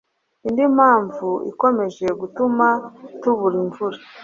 Indi mpamvu ikomeje gutuma tubura imvura